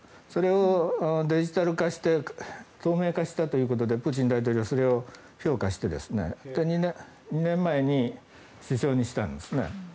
それをデジタル化して透明化したということでプーチン大統領、それを評価して２年前に首相にしたんですね。